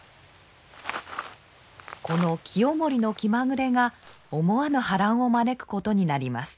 この清盛の気まぐれが思わぬ波乱を招くことになります。